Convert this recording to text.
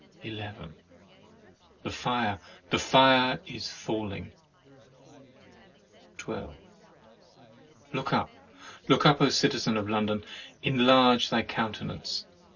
11. The fire, the fire is falling ! 12. Look up! look up! citizen of London, enlarge thy countenance!